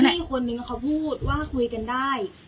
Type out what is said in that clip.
ก็ทำเปรียกพี่คนละเขาพูดว่าคุยกันได้